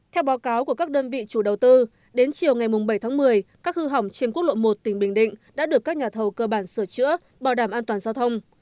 theo báo cáo của các đơn vị chủ đầu tư đến chiều ngày bảy tháng một mươi các hư hỏng trên quốc lộ một tỉnh bình định đã được các nhà thầu cơ bản sửa chữa bảo đảm an toàn giao thông